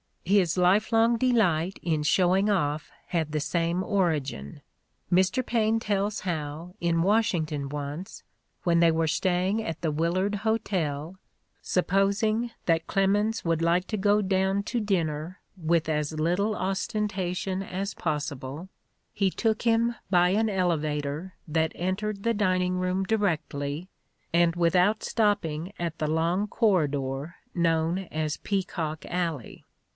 His lifelong delight in showing off had the same origin. Mr. Paine tells how in Washington once, when they were staying at the Willard Hotel, supposing that Clemens would like to go down to dinner with as little 150 The Ordeal of Mark Twain ostentation as possible he took him by an elevator that entered the dining room directly and without stopping at the long corridor known as Peacock Alley.